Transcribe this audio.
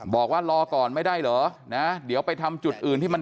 บอกว่ารอก่อนไม่ได้เหรอนะเดี๋ยวไปทำจุดอื่นที่มัน